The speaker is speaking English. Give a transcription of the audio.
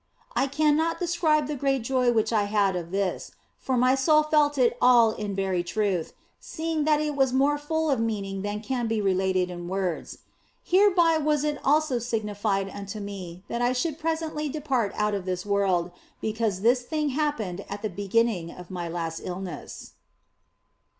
I cannot describe the great joy which I had of this, for my soul felt it all in very truth, seeing that it was more OF FOLIGNO 229 full of meaning than can be related in words. Hereby was it also signified unto me that I should presently depart out of this world, because this thing happened at the beginning of my last illness.